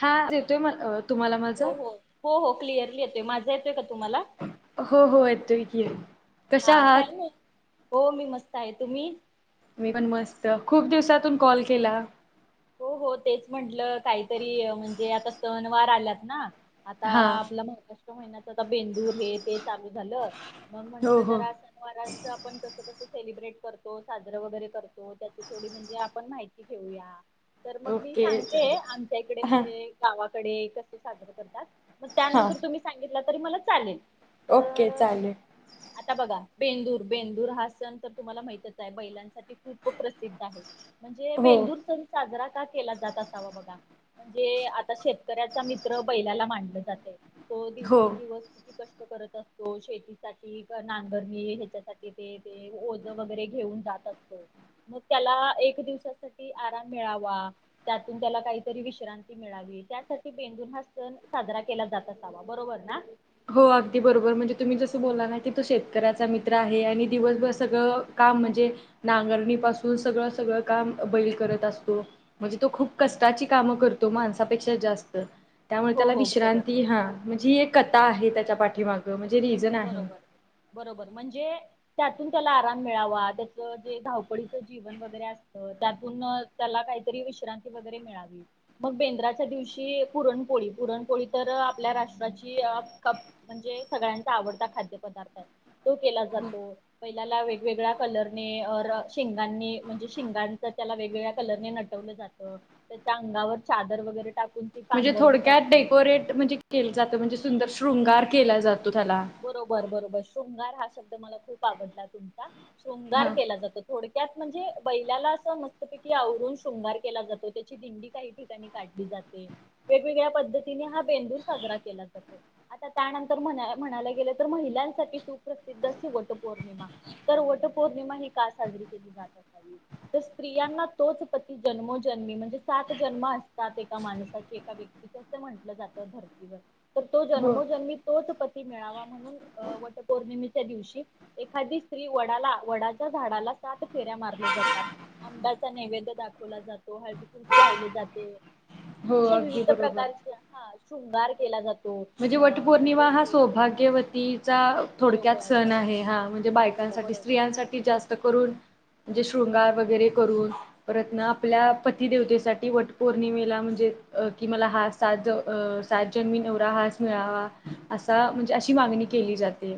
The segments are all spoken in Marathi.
हा येतोय मला अ तुम्हाला माझा? हो हो हो हो क्लिअरली येतोय माझा येतोय का तुम्हाला हो हो, येतोय की. कशा हा आहात? काही नाही हो मी मस्त आहे. तुम्ही? मी पण मस्त, खूप दिवसातून कॉल केला. हो हो तेच म्हटलं काहीतरी म्हणजे आता सण-वार आल्यात. ना. आता हा आपलं महाराष्ट महिन्याच आता बेंदूर हे ते चालू झालं मग हो म्हंटलं हो जरा सनवारांच आपण कसं कसं सेलिब्रेट करतो साजर वगैरे करतो त्याची थोडी म्हणजे आपण माहिती घेऊया. तर मग मी ओके सांगते आमच्या इकडे हां म्हणजे गावा कडे कस साजरं करतात. मग हां त्यानंतर तुम्ही सांगितलंता. तरी मला चालेल. ओके तर चालेल. आता बघा बेंदूर, बेंदूर हा सण तर तुम्हाला माहितच आहे बैलांसाठी खूप प्रसिद्ध आहे. म्हणजे हो बेंदूर सण साजरा का केला जात असावा बघा म्हणजे आता शेतकऱ्याचा मित्र बैलाला मानल जाते. तो हो दिवसें दिवस किती कष्ट करत असतो. शेतीसाठी नांगरणी ह्याच्यासाठी ते ते ओझ वगैरे घेऊन जात असतो, मग त्याला एक दिवसासाठी ळा त्यातून त्याला काहीतरी विश्रांती मिळावी त्यासाठी बेंदूर हा सण साजरा केला जात असावा बरोबर ना, हो अगदी बरोबर म्हणजे तुम्ही जसं बोला ना कि तो शेतकऱ्याचा मित्र आ. हे आणि दिवसभर सगळं काम म्हणजे नांगरणी पासून सगळं सगळं काम बैल करत असतो. म्हणजे तो खूप कष्टाची कामं करतो माणसापेक्षा जास्त त्यामुळे हो त्याला हो बरोबर. विश्रांती हा म्हणजे एक कथा आहे त्याच्या पाठीमाग बरोबर बरोबर म्हणजे त्यातून त्याला आराम मिळावा त्याचं जे धावपळीचं जीवन वगैरे असतं. त्यातून त्याला काहीतरी विश्रांती वगैरे मिळावी मग बेंद्राच्या दिवशी पुरणपोळी, पुरणपोळी तर आपल्या राष्ट्राची म्हणजे सगळ्यां चा आवडता खाद्य पदार्थ आहे. तो केला हो. जातो. पहिल्याला वेगवेगळ्या कलरने टाकून ती म्हणजे पांघरली थोडक्यात जाते डेकोरेट म्हणजे केल जात म्हणजे सुंदर शृंगार केला जातो. त्याला बरोबर बरोबर शृंगार हा शब्द मला खूप आवडला तुमचा शृंगार हा केला जातो. थोड त्यात म्हणजे बैलाला असं मस्तपैकी आवरून शृंगार केला जातो. त्याची दिंडी काही ठिकाणी काढली जाते. वेगवेगळ्या पद्धतीने हा बेंदूर साजरा केला जातो. आता त्यानंतर म्हणा म्हणायला गेलं तर महिलांसाठी सुप्रसिद्ध अशी वट पौर्णिमा तर वट पौर्णिमा ही का साजरी केली जात असावी तर स्त्रियांना तोच पती जन्मोजन्मी म्हणजे सात जन्म असतात एका माणसाचे एका व्यक्तीचे असं म्हटलं जातं धर्तीवर तर तो हो जन्मोजन्मी तोच प मेळावा म्हणून अ वट पौर्णिमेच्या दिवशी एखादी स्त्री वडाला वडाच्या झाडाला सात फेऱ्या मारल्या जातात. अंब्याचा नैवेद्य दाखवला जातो हळदी कुंकू वाहिले जात. हो अशा अगदी विविध बरोबर प्रकारचे हा शृंगार केला जातो. म्हणजे अ वटपौर्णिमा म्हणजे हा स स्त्रिया सौभग्यवतीचा थोडक्यात बरोबर सण बरोबर आहे. हा म्हणजे हो बायकांसाठी बरोबर स्त्रियांसाठी जास्त करून म्हणजे शृंगार वगैरे करून परत ना आपल्या पति देेवतेसाठी वट पौर्णिमेला म्हणजे कि मला हा सातजन्मी नवरा हाच मिळावा असा म्हणजे अशी मागणी केली जाते.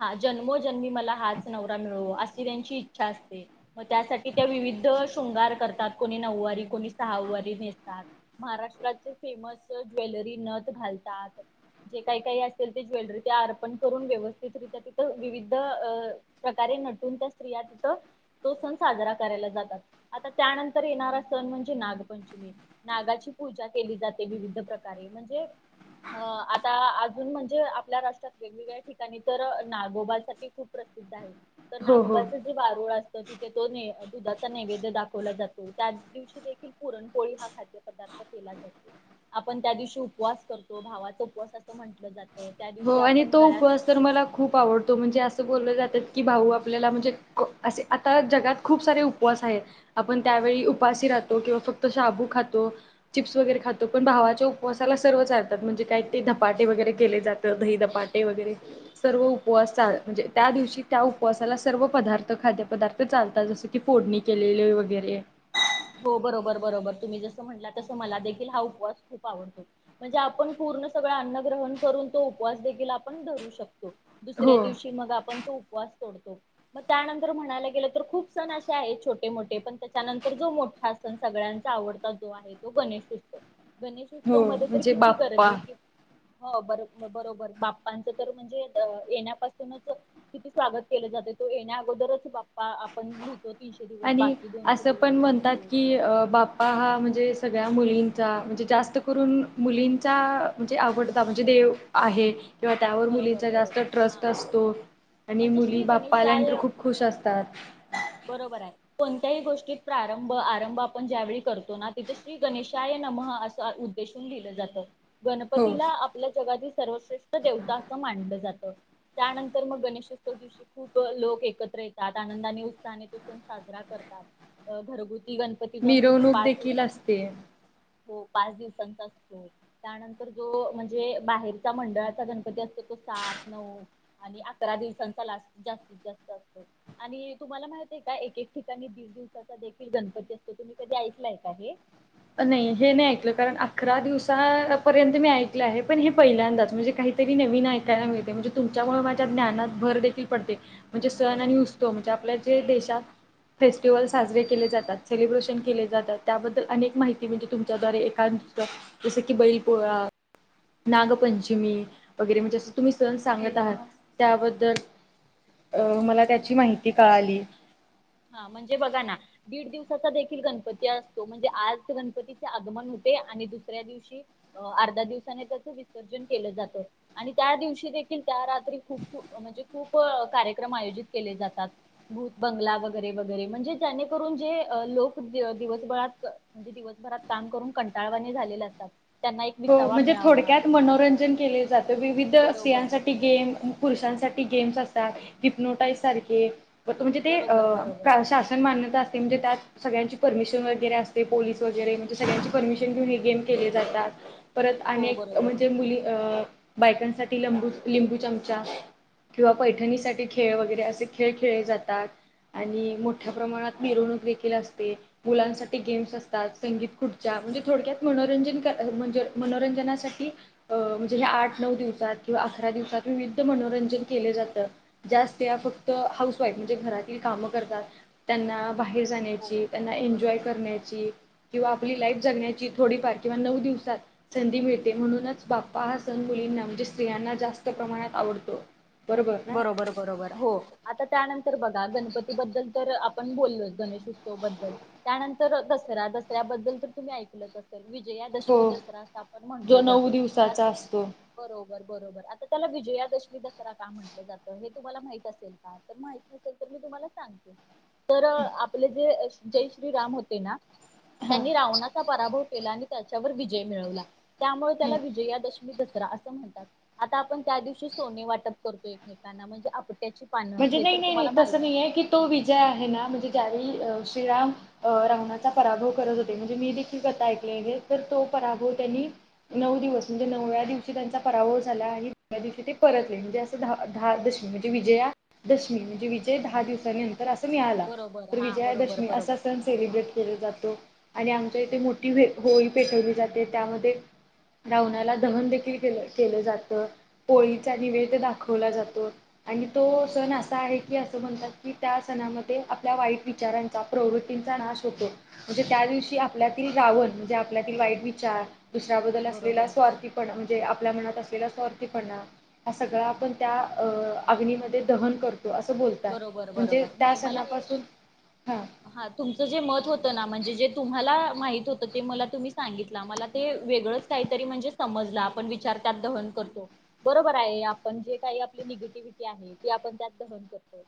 हा जन्मोजन्मी मला हाच नवरा मिळो अशी त्यांची इच्छा असते मग त्यासाठी त्या विविध शृंगार करतात कोणी नऊवारी कोणी सहावारी नेसतात. महाराष्ट्राचे फेमस ज्वेलरी नथ घालतात. जे काही काही असेल ते ज्वेलरी त्या अर्पण करून व्यवस्थ तिथं विविध अ प्रकारे नटून त्या स्त्रिया तिथं तो सण साजरा करायला जातात. आता त्यानंतर येणारा सण म्हणजे नागपंचमी नागाची पूजा केली जाते. विविध प्रकारे म्हणजे अ आता अजून म्हणजे आपल्या राष्ट्रात वेगवेगळ्या ठिकाणी तर नागोबासाठी खूप प्रसिद्ध आहे. तर हो हो नागोबाचं जे वारूळ असत तिथे तो दुधाचा नैवेद्य दाखवला जातो. त्या दिवशी देखील पुरणपोळी हा खाद्य पदार्थ केला जातो. आपण त्या दिवशी उपवास करतो भावाचा उपवास असं म्हंटलं जात. हो आणि तो उपवास तर मला खूप आवडतो म्हणजे असं बोललं जातात की भाऊ आपल्याला म्हणजे असे आता जगात खूप सारे उपवास आहेत. आपण त्यावेळी उपाशी राहतो किंवा फक्त शाबू खातो, चिप्स वगैरे खातो पण भावाच्या उपवासाला सर्वच चालतात. म्हणजे काही ते धपाटे वगैरे केले जातात. तर दही दपाटे वगैरे सर्व उपवासचा म्हणजे त्या दिवशी त्या उपवासाला सर्व पदार्थ खाद्यपदार्थ चालतात. जस की फोडणी केलेले वगैरे हो बरोबर बरोबर तुम्ही जसं म्हटला तसं मला देखील हा उपवास खूप आवडतो. म्हणजे आपण पूर्ण सगळं अन्न ग्रहण करून तो उपवास देखील आपण धरू शकतो. दुसऱ्या हो दिवशी मग आपण तो उपवास तोडतो मग त्यानंतर म्हणायला गेलं तर खूप सण असे आहेत छोटे मोठे पण त्याच्यानंतर जो हा सण सगळ्यांचा आवडता जो आहे तो गणेश उत्सव हो गणेशोत्सव मध्ये तर म्हणजे किती बाप्पा गर्दी हो बरो बरोबर बाप्पांचं तर म्हणजे येण्यापासूनच किती स्वागत केलं जातं तो येण्या अगोदरच बाप्पा आपण लिही तो तीनशे दिवस बाकी दोनशे दिवस बाकी तात की बाप्पा हा म्हणजे सग सगळ्या मुलींचा म्हणजे जास्त करून मुलींचा म्हणजे आवडता म्हणजे देव आहे. किंवा त्यावर बरोबर मुलींचा जास्त बरोबर हा ट्रस्ट असतो. आणि म्हणजे मुली श्री बाप्पा गणेशाय आल्यानंतर खूप खुश असतात. बरोबर आहे. कोणत्याही गोष्टीत प्रारंभ आरंभ आपण ज्यावेेळी करतो ना तिथं श्री गणेशाय नमः असं उद्देशून लिहिलं जातं. हो गणपतीला आपल्या जगाची सर्वश्रेष्ठ देवता असं मानलं जात. त्यानंतर मग गणेशोत्सव दिवशी खूप लोक एकत्र येतात. आनंदाने उत्साहाने तो सण साजरा करतात घरगु मिरवणूक देखील असते. हो पाच दिवसांचा असतो त्यानंतर जो म्हणजे बाहेरचा मंडळात गणपती असतो तो सात नऊ आणि अकरा दिवसांचा लास्ट जास्तीत जास्त असतो. आणि तुम्हाला माहित आहे का एक एक ठिकाणी दीड दिवसाचा देखील गणपती असतो तुम्ही कधी ऐकलाय का हे? नाही हे नाही ऐकलं कारण अकरा दिवसापर्यंत मी ऐकलं आहे. पण हे पहिल्यांदाच म्हणजे काहीतरी नवीन ऐकायला मिळतय. म्हणजे तुमच्यामुळे माझ्या ज्ञानात भर देखील पडते. म्हणजे सण आणि बरोबर. उत्सव म्हणजे आपल्या देशात फेस्टिवल साजरे केले जातात, सेलिब्रेशन केले जातात त्याबद्दल अनेक माहिती म्हणजे तुमच्या द्वारे एखाद दुसर की बैल पोळा, नागपंचमी वगैरे म्हणजे असं तुम्ही सण सांगत आहात त्याबद्दल अं मला त्याची माहिती कळाली. हा म्हणजे बघा ना दीड दिवसाचा देखील गणपती असतो. म्हणजे आज गणपतीचे आगमन होते आणि दुसऱ्या दिवशी अर्ध्या दिवसाने त्याच विसर्जन केलं जातं. आणि त्या दिवशी देखील त्या रात्री खूप खूप म्हणजे खूप कार्यक्रम आयोजित केले जातात. भूत बंगला वगै रे वगैरे म्हणजे जेणेकरून जे लोक दिवसभरात म्हणजे दिवसभरात काम करून कंटाळवाने झालेले असतात त्यांना एक हो विसावा म्हणजे मिळावा थोडक्यात मनोरंजन केले जाते. विविध बरोबर स्त्रियांसाठी बरोबर गेम पुरुषांसाठी गेम्स असतात हिपनोटाईज सारखे म्हणजे ते बरोबर बरोबर शासन मान्यता असते म्हणजे त्यात सगळ्यांची परमिशन वगैरे असते, पोलीस वगैरे म्हणजे सगळ्यांची परमिशन घेऊन हे गेम केले जातात. परत हो अनेक बरोबर म्हणजे मुली अ बायकांसाठी लंबू लिंबू चमचा किंवा पैठणीसारखे खेळ वगैरे असे खेळ खेळले जातात. आणि मोठ्या प्रमाणात मिरवणूक देखील असते. मुलांसाठी गेम्स असतात. संगीत खुर्च्या म्हणजे थोडक्यात मनोरंजन म्हणजे मनोरंजनासाठी म्हणजे हे आठ नऊ दिवसात किंवा अकरा दिवसात विविध मनोरंजन केले जात ज्यात फक्त हाऊस वाईफ म्हणजे घरातील काम करतात त्यांना बाहेर हो जाण्याची त्यांना एन्जॉय बरोबर करण्याची किंवा आपली लाईफ जगण्याची थोडीफार किंवा नऊ दिवसात संधी मिळते म्हणूनच बाप्पा हा सण मुलींना म्हणजे स्त्रियांना जास्त प्रमाणात आवडतो. बरोबर बरोबर हो आता त्यानंतर तर बघा गणपतीबद्दल तर आपण बोललो गणेशोत्सव बद्दल त्यानंतर दसरा दसऱ्याबद्दल तर तुम्ही ऐकल असेल. हो विजयादशमी दसरा अस आपण जो म्हटलो नऊ जातो आ दिवसाचा असतो बरोबर. बरोबर आता त्याला विजयादशमी दसरा का म्हण टल जात. हे तुम्हाला माहित असेल का? तर माहित नसेल तर मी तुम्हाला सांगते. तर आपले जे जय श्री राम होते ना. हां त्यांनी रावनाचा पराभव केला आणि त्याच्यावर विजय मिळवला. त्यामुळे हां त्याला विजयादशमी दसरा असं म्हणतात. आता आपण त्या दिवशी सोने वाटप करतोय. एकमेकांना म्हणजे आप म्हणजे नाही नाही नाही तस नाहीय की, तो विजय आहे ना म्हणजे ज्या वेळी श्रीराम अ रावणाचा पराभव करत होते म्हणजे मी देखील कथा ऐकली आहे. तर तो पराभव त्यांनी नऊ दिवस म्हणजे नवव्या दिवशी त्यांचा पराभव झाला आणि नव्या दिवशी ते परतले, म्हणजे असं द दहा दशमी म्हणजे विजया दशमी म्हणजे विजय दहा दिवसा नंतर असं मिळाला. बरोबर तर हा बरोबर विजयादशमी बरोबर असा सण सेलिब्रेट केला जात तो आणि आमच्या इथे मोठी होळी पेटवली जाते. त्यामध्ये रावणाला दहन देखील के केलं जात. पोळीचा निवेद दाखवला जातो. आणि तो सण असा आहे की असं म्हणतात की, त्या सणामध्ये आपल्या वाईट विचारांचा प्रवृत्तींचा नाश होतो. म्हणजे त्या दिवशी आपल्यातील रावण म्हणजे आपल्यातील वाईट विचार. दुसऱ्याबद्दल असलेला बरोबर स्वार्थीपणा म्हणजे आपल्या मनात असलेला स्वार्थीपना हा सगळा आपण त्या अ अग्नी मध्ये ते दहन कर बरोबर बरोबर नाही मला हे सणापासून हां हा तुमचं जे मत होतं ना, म्हणजे जे तुम्हाला माहित होत ते मला तुम्ही सांगितला मला ते वेगळंच काहीतरी म्हणजे समजला आपण विचार त्यात दहन करतो. बरोबर आहे आपण जे काही आपली निगेटिव्हटी आहे ते आपण त्यात दहन करतो. हो.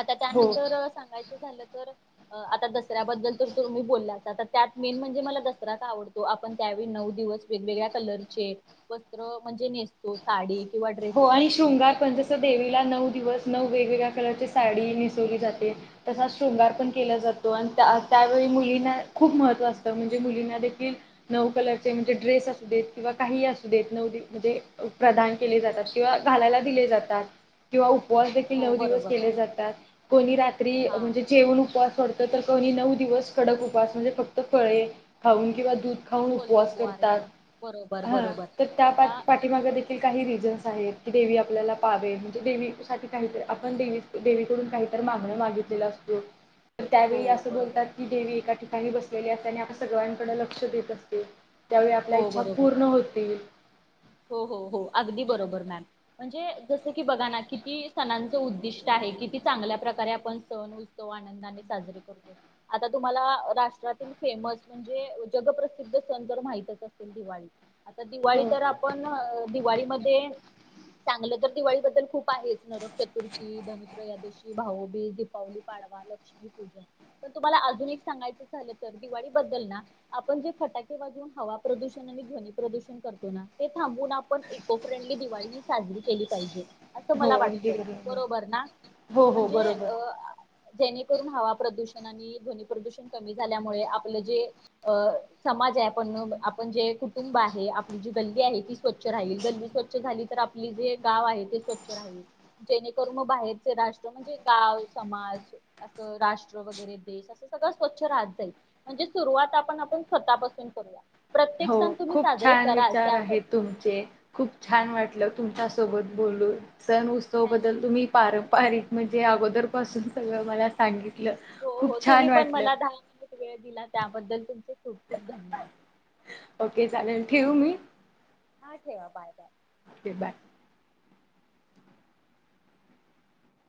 आता हो त्यानंतर सांगायचं झालं तर, आता दसऱ्याबद्दल तर तुम्ही बोललाच आता त्यात मेन म्हणजे मला दसरा का आवडतो? आपण त्यावेळी नऊ दिवस वेगवेगळ्या कलर चे वस्त्र म्हणजे नेसतो साडी. किंवा हो ड्रेसेस आणि असतील शृंगार पणजस देवीला नऊ दिवस नऊ वेगवेगळ्या कलरची साडी नेसवली जाते. तसाच शृंगार पण केला जातो आणि त्या त्यावेळी मुलींना खूप महत्त्व असतं म्हणजे मुलींना देखील नऊ कलरचे म्हणजे ड्रेस असू देत किंवा काही असू देत नऊ म्हणजे प्रदान केले जातात. किंवा घालायला दिले जातात किंवा उ उपवास देखील हो नऊ दिवस बरोबर केले जातात. कोणी रात्री हा म्हणजे जेऊन उपवास सोड तर कोणी नऊ दिवस कडक उपास म्हणजे फक्त फळे, खाऊन किंवा दूध खाऊन उपवास कोलोपवार करतात. घेऊन बरोबर हा बरोबर तर त्या आता पाठीमाग देखील काही रिझन की देवी आपल्याला पावेन, म्हणजे देवी साठी काहीत आपण देवीकडून काहीतर मागण मागितलेलो असतो. हो त्यावेळी असं बरोबर बोलतात की देवी एका ठि कानी बसलेली असते आणि आपल्या सर्वांकडे लक्ष देत असते. त्यावेळी आपल्या हो इच्छा बरोबर पूर्ण होतील. हो हो हो. अगदी बरोबर मॅम. म्हणजे, जसं कि बघा ना किती सणांचं उद्दिष्ट आहे किती चांगल्या प्रकारे आपण सण-उत्सव आनंदाने साजरे करतो. आता तुम्हाला राष्ट्रातील फेमस म्हणजे जगप्रसिद्ध सण तर माहितच असतील दिवाळी. आता दिवाळी हो तर आप पण दिवाळीमध्ये चांगलं तर दिवाळी बद्दल खूप आहेच नरक चतुर्थी, धनत्रयोदशी, भाऊबीज, दीपावली, पाडवा, लक्ष्मीपूजन. पण, तुम्हाला अजून एक सांगायचं झालं तर दिवाळी बद्दल ना आपण जे फटाके वाजवून हवा प्रदूषण आणि ध्वनी प्रदूषण करतो ना. ते थांबून आपण इको फ्रेंडली दिवाळी ही साजरी केली पाहिजे. हो मला वाटत अगदी बरोबर ना? हो हो म्हणजे बरोबर अं जेणेकरून हवा प्रदूषण आणि ध्वनी प्रदूषण कमी झाल्यामुळे आपलं जे अ समाज आहे आपण आपण जे कुटुंब आहे आपली जी. गल्ली आहे ती स्वच्छ राहील, गल्ली स्वच्छ झाली तर आपली जे गाव आहे ते स्वच्छ राहील, जेणेकरून मग बाहेरचे राष्ट्र म्हणजे गाव, समाज असं राष्ट्र वगैरे देश असं सगळं स्वच्छ राहत जाईल. म्हणजे सुरुवात आपण आपण स्वतःपासून करूया प्रत्येक हो सण तुम्ही खूप साजरे छान विचा कराल चार आहे त्याबद्दल तुमचे, खुप छान वाटलं तुमच्या सोबत बोलून. [unintelligible] सण, उत्सव बद्दल थँक्यू तुम्ही पार. बारीक म्हणजे अगोदर पासून सगळं मला सांगित. हो, हो तुम्ही पण मला दहा मिनिटं वेळ दिलात. त्याबद्दल तुमचे खूप खूप धन्यवाद. ओके, चालेल ठेऊ मी? हां ठेवा, बाय-बाय. Okay bye.